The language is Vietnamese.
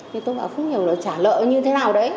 thì tôi bảo không hiểu là trả lợi như thế nào đấy